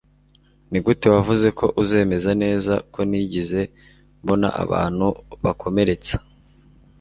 nigute wavuze ko uzemeza neza ko ntigeze mbona abantu bakomeretsa